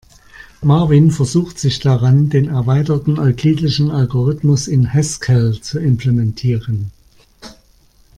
Marvin versucht sich daran, den erweiterten euklidischen Algorithmus in Haskell zu implementieren.